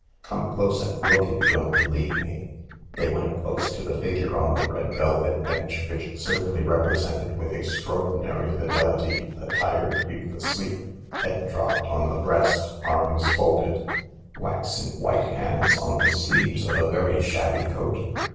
Come close and look if you don't believe me." They went close to the figure on the red velvet bench, which certainly represented with extraordinary fidelity a tired youth asleep, head dropped on the breast, arms folded, waxen white hands on the sleeves of a very shabby coat.